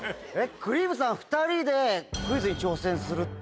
くりぃむさん２人でクイズに挑戦するって。